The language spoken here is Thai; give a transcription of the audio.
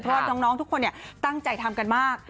เพราะว่าน้องทุกคนตั้งใจทำกันมาก